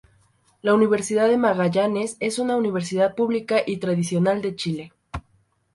La Universidad de Magallanes es una universidad pública y tradicional de Chile.